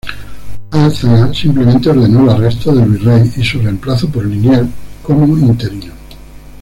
Álzaga simplemente ordenó el arresto del virrey y su reemplazo por Liniers, como interino.